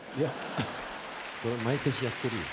それ毎年やってるよ。